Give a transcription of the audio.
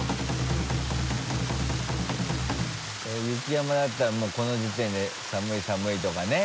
雪山だったらもうこの時点で「寒い寒い」とかね。